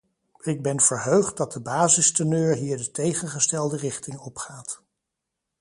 Ik ben verheugd dat de basisteneur hier de tegengestelde richting opgaat.